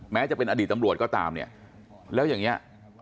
จะเป็นอดีตตำรวจก็ตามเนี่ยแล้วอย่างนี้